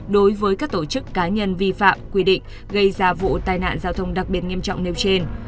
đối với các tổ chức cá nhân vi phạm quy định gây ra vụ tai nạn giao thông đặc biệt nghiêm trọng nêu trên